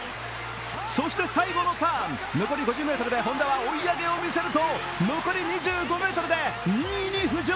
そして最後のターン残り５０ｍで本多は追い上げを見せると残り２５ｍで２位に浮上。